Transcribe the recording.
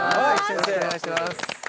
よろしくお願いします。